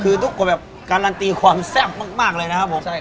คือทุกคนแบบการันตีความแซ่บมากเลยนะครับผม